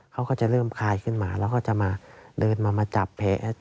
เขาก็จะเริ่มคลายขึ้นมาแล้วก็จะมาเดินมามาจับแผล